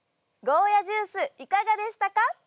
ゴーヤジュースいかがでしたか？